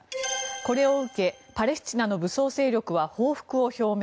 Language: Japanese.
これを受けパレスチナの武装勢力は報復を表明。